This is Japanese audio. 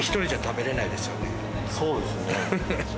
そうですね。